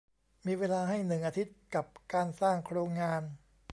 มีเวลาให้หนึ่งอาทิตย์กับการสร้างโครงงาน